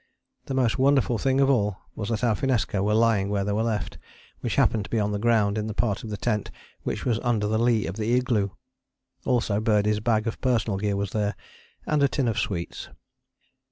The most wonderful thing of all was that our finnesko were lying where they were left, which happened to be on the ground in the part of the tent which was under the lee of the igloo. Also Birdie's bag of personal gear was there, and a tin of sweets.